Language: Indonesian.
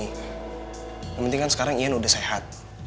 yang penting kan sekarang ian udah sehat